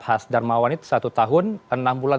hasdarmawanit satu tahun enam bulan